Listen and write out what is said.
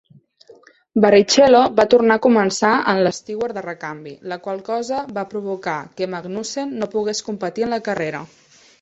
Barrichello va tornar a començar en l'Stewart de recanvi, la qual cosa va provocar que Magnussen no pogués competir en la carrera.